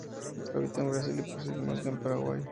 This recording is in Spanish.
Habita en Brasil y posiblemente Paraguay.